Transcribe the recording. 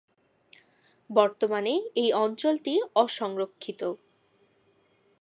বর্তমানে এই অঞ্চলটি অসংরক্ষিত।